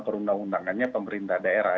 perundang undangannya pemerintah daerah